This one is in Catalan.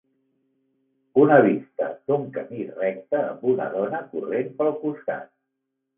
Una vista d'un camí recte amb una dona corrent pel costat.